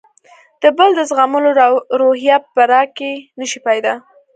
د بل د زغملو روحیه به راکې نه شي پیدا.